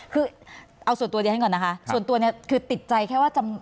คือเอาส่วนตัวดิฉันก่อนนะคะส่วนตัวเนี่ยคือติดใจแค่ว่า